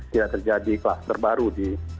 tidak terjadi kelas terbaru di